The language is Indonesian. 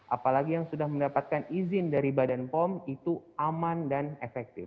apalagi yang sudah mendapatkan izin dari badan pom itu aman dan efektif